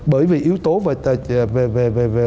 bởi vì yếu tố về